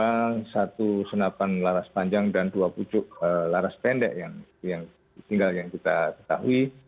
ada satu senapan laras panjang dan dua pucuk laras pendek yang tinggal yang kita ketahui